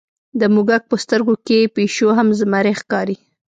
د موږک په سترګو کې پیشو هم زمری ښکاري.